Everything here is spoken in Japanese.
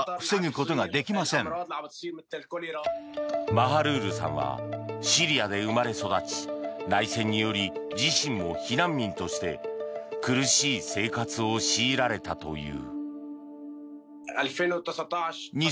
マハルールさんはシリアで生まれ育ち内戦により自身も避難民として苦しい生活を強いられたという。